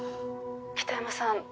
北山さん